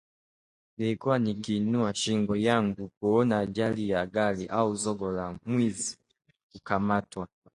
Nilikuwa nikiinua shingo yangu kuona ajali ya gari au zogo la mwizi kukamatwa